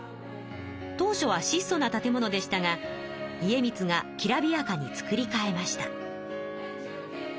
当初は質素な建物でしたが家光がきらびやかにつくり替えました。